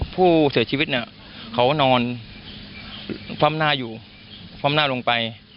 ผู้เสียชีวิตน่ะเขานอนฟับหน้าอยู่ฟับหน้าลงไป